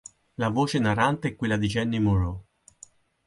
La voce narrante è quella di Jeanne Moreau.